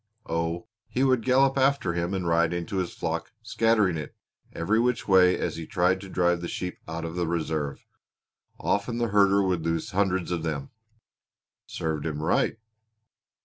"Oh, he would gallop after him and ride into his flock, scattering it every which way as he tried to drive the sheep out of the reserve. Often the herder would lose hundreds of them." "Served him right!"